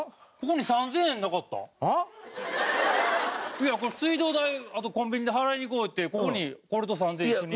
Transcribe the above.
いや水道代あとでコンビニで払いに行こうってここにこれと３０００円一緒に。